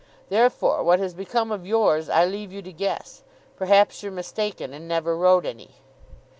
Therefore, what has become of yours, I leave you to guess. Perhaps you're mistaken, and never wrote any.